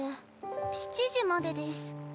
７時までです。